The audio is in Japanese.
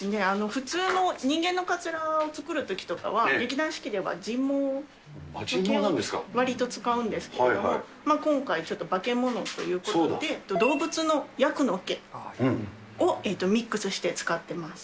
普通の人間のかつらを作るときとかは、劇団四季では人毛をわりと使うんですけれども、今回、ちょっとバケモノということで、動物のヤクの毛をミックスして使ってます。